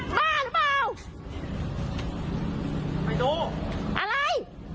บ้าหรือเปล่า